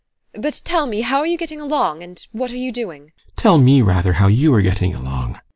But tell me how you are getting along and what you are doing? GUSTAV. Tell me rather how you are getting along?